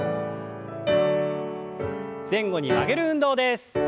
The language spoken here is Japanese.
前後に曲げる運動です。